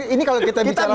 ini kalau kita bicara